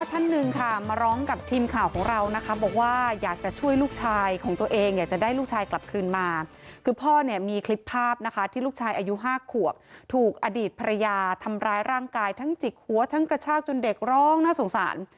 ท่านหนึ่งค่ะมาร้องกับทีมข่าวของเรานะคะบอกว่าอยากจะช่วยลูกชายของตัวเองอยากจะได้ลูกชายกลับคืนมาคือพ่อเนี่ยมีคลิปภาพนะคะที่ลูกชายอายุ๕ขวบถูกอดีตภรรยาทำร้ายร่างกายทั้งจิกหัวทั้งกระชากจนเด็กร้องน่าสงสาร